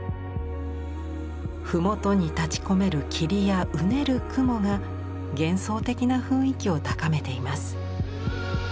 麓に立ちこめる霧やうねる雲が幻想的な雰囲気を高めています。